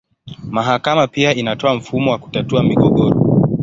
Mahakama pia inatoa mfumo wa kutatua migogoro.